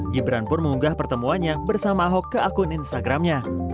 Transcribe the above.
gibran pun mengunggah pertemuannya bersama ahok ke akun instagramnya